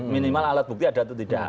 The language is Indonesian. minimal alat bukti ada atau tidak